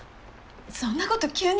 そんなこと急に。